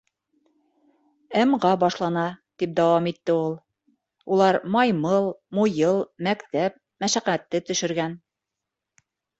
—...М-ға башлана, —тип дауам итте ул. —Улар маймыл, муйыл, мәктәп, мәшәҡәтте төшөргән...